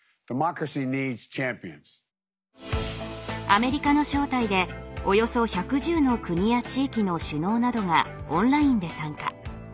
アメリカの招待でおよそ１１０の国や地域の首脳などがオンラインで参加。